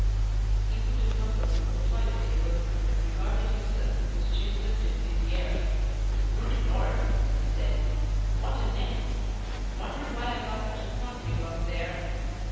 He put his knuckles on the toilet table and regarded himself with his chin lifted in the air. "Good Lord!" he said. "WHAT a neck! Wonder why I got such a thundering lump there."